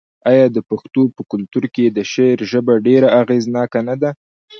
آیا د پښتنو په کلتور کې د شعر ژبه ډیره اغیزناکه نه ده؟